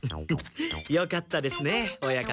よかったですね親方。